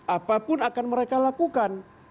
apapun akan mereka lakukan